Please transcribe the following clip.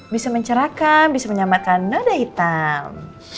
bisa mencerahkan bisa menyamarkan noda hitam